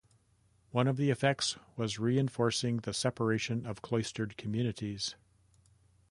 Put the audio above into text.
One of the effects was reinforcing the separation of cloistered communities.